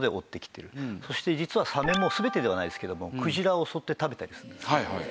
そして実はサメも全てではないですけどもクジラを襲って食べたりするんですね。